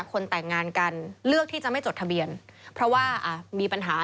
คนแต่งงานกันเลือกที่จะไม่จดทะเบียนเพราะว่ามีปัญหา